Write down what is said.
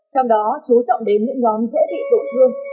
trong đó chú trọng đến những nhóm dễ bị tổn thương